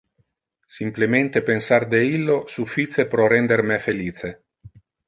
Simplemente pensar de illo suffice pro render me felice.